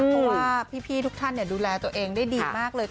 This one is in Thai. เพราะว่าพี่ทุกท่านดูแลตัวเองได้ดีมากเลย